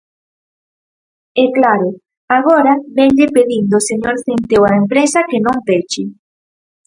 E, claro, agora vénlle pedindo o señor Centeo á empresa que non peche.